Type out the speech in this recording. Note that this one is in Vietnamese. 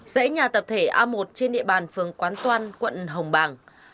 dãy nhà tập thể a một trên địa bàn phường quán toan quận hồng bàng